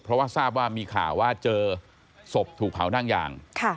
เพราะสาบว่ามีข่าวว่าเจอศพถูกเผาทางอย่าง